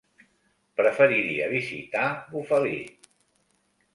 Preferiria visitar Bufali.